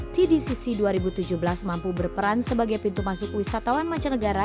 tdcc dua ribu tujuh belas mampu berperan sebagai pintu masuk wisatawan mancanegara